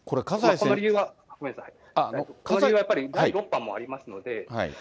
その理由は、第６波もありますので。